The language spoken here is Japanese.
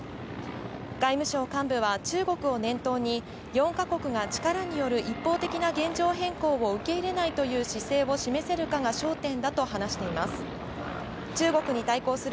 外務省幹部は中国を念頭に４か国が力による一方的な現状変更を受け入れないという姿勢を示せるかが焦点だと話しています。